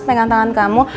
pegang tangan kamu